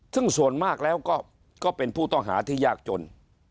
ซึ่งส่วนมากแล้วก็เป็นผู้ต้องหาที่ยากจน